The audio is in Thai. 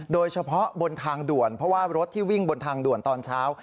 โดยเฉพาะบนทางด่วนเพราะว่ารถที่วิ่งบนทางด่วนตอนเช้า